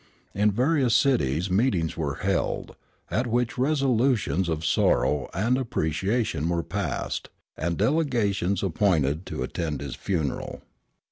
In various cities meetings were held, at which resolutions of sorrow and appreciation were passed, and delegations appointed to attend his funeral.